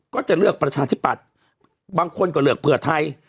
ก็จะเลือกประชาธิปัตย์บางคนก็เลือกเผื่อไทย